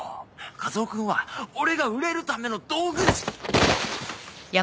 和男君は俺が売れるための道具で。